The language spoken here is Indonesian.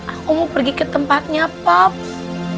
aku mau pergi ke tempatnya pop